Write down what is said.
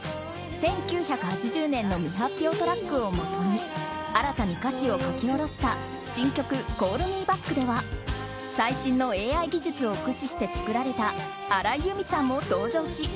１９８０年の未発表トラックをもとに新たに歌詞を書き下ろした新曲「Ｃａｌｌｍｅｂａｃｋ」では最新のＡＩ技術を駆使して作られた荒井由実さんも登場し